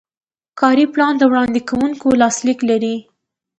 کاري پلان د وړاندې کوونکي لاسلیک لري.